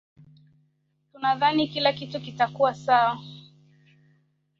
Tunadhani kila kitu kitakuwa sawa.